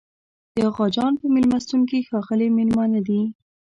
د اغاخان په مېلمستون کې ښاغلي مېلمانه دي.